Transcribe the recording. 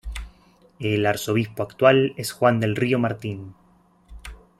El arzobispo actual es Juan del Río Martín.